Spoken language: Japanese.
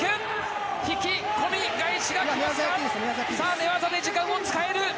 寝技で時間を使う！